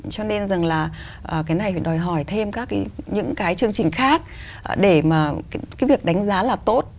cho nên rằng là cái này phải đòi hỏi thêm các cái chương trình khác để mà cái việc đánh giá là tốt